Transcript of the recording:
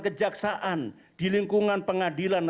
kejaksaan di lingkungan pengadilan